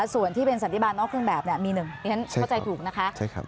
ส่วนที่เป็นสันติบาลนอกเครื่องแบบมีหนึ่งดิฉันเข้าใจถูกนะคะ